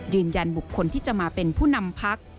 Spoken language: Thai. ยืนยันบุคคลที่จะมาเป็นผู้นำพัก